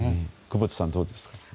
久保田さん、どうですか？